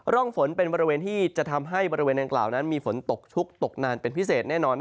ร่องฝนเป็นบริเวณที่จะทำให้บริเวณดังกล่าวนั้นมีฝนตกชุกตกนานเป็นพิเศษแน่นอน